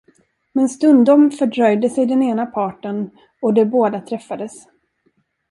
Men stundom fördröjde sig den ena parten och de båda träffades.